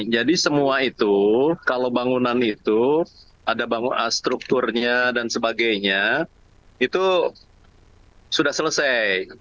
jadi semua itu kalau bangunan itu ada bangunan strukturnya dan sebagainya itu sudah selesai